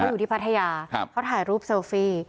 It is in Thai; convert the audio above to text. อยู่ที่พัทยาเขาถ่ายรูปเซลฟี่